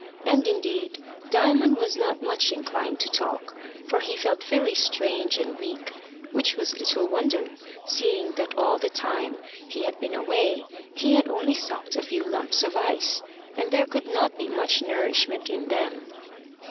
And indeed Diamond was not much inclined to talk, for he felt very strange and weak, which was little wonder, seeing that all the time he had been away he had only sucked a few lumps of ice, and there could not be much nourishment in them.